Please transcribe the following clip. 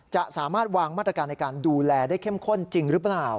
จะสามารถวางมาตรการในการดูแลได้เข้มข้นจริงหรือเปล่า